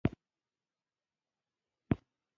ځکه عیارانو ته د ملایکو په سترګه ګوري.